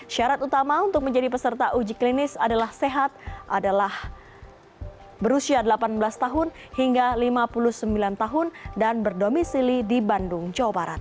syarat utama untuk menjadi peserta uji klinis adalah sehat adalah berusia delapan belas tahun hingga lima puluh sembilan tahun dan berdomisili di bandung jawa barat